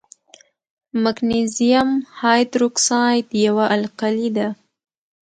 مګنیزیم هایدروکساید یوه القلي ده.